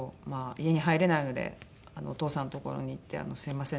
家に入れないのでお義父さんの所に行って「すみません。